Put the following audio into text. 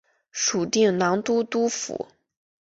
属定襄都督府。